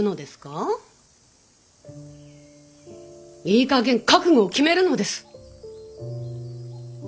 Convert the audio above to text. いいかげん覚悟を決めるのです。